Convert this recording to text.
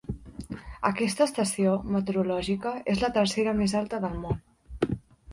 Aquesta estació meteorològica és la tercera més alta del món.